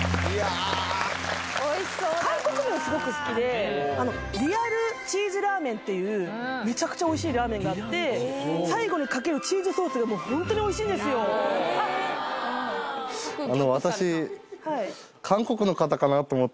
おいしそうだったリアルチーズラーメンっていうメチャクチャおいしいラーメンがあって最後にかけるチーズソースがホントにおいしいんですよあっ！